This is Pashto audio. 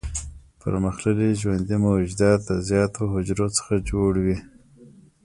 پرمختللي ژوندي موجودات د زیاتو حجرو څخه جوړ وي.